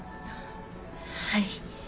はい。